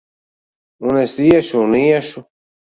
Un es iešu un iešu!